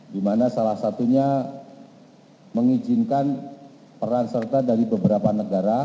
di mana salah satunya mengizinkan peran serta dari beberapa negara